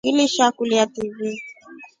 Ngilisakulia TV.